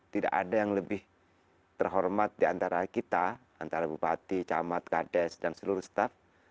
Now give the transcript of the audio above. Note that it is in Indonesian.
tidak ada yang lebih terhormat diantara kita antara bupati camat kades dan seluruh staff